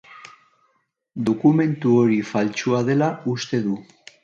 Dokumentu hori faltsua dela uste du.